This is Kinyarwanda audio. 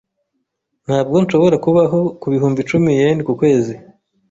Ntabwo nshobora kubaho ku bihumbi icumi yen ku kwezi .